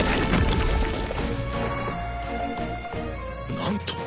なんと！